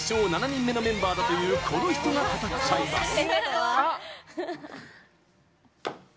７人目のメンバーだというこの人が語っちゃいます。